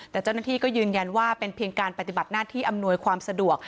แต่เจ้าหน้าที่ก็ยืนยันว่าเป็นเพียงการปฏิบัติหน้าที่อำนวยความสะดวก